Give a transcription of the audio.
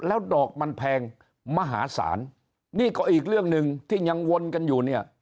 แล้วดอกมันแพงมหาศาลนี่ก็อีกเรื่องหนึ่งที่ยังวนกันอยู่เนี่ย